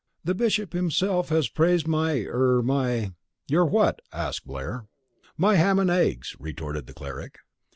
The Bishop himself has praised my er my " "Your what?" asked Blair. "My ham and eggs," retorted the cleric.